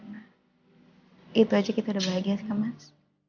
hai itu aja kita bahagia kemas